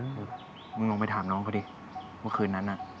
มึงลองไปถามน้องก็ดิวันคืนนั้น